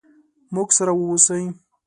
موږ سره ووسئ.